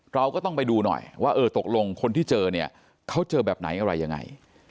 เราก็ต้องไปดูหน่อยว่าเออตกลงคนที่เจอเนี่ยเขาเจอแบบไหนอะไรยังไง